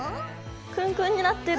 くるんくるんになってる！